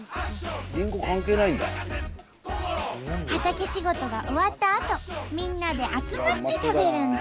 畑仕事が終わったあとみんなで集まって食べるんと！